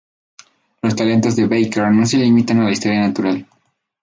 Los talentos de Baker no se limitan a la historia natural.